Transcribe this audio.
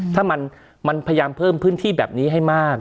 ถ้ามันพยายามเพิ่มพื้นที่แบบนี้ให้มาก